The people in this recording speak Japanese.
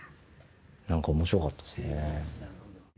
何か面白かったですね。